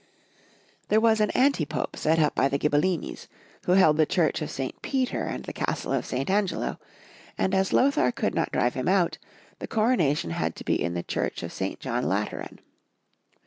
There was an Antipope set up by the Ghibellines, who held the Church of St. Peter and the Castle of St. Angelo, and as Lothar could not drive him out, the coronation had to be in the Church of St. John Lateran.